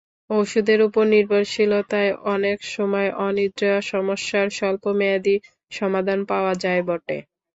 ওষুধের ওপর নির্ভরশীলতায় অনেক সময় অনিদ্রা সমস্যার স্বল্পমেয়াদি সমাধান পাওয়া যায় বটে।